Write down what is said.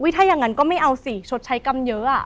ถ้าอย่างนั้นก็ไม่เอาสิชดใช้กรรมเยอะ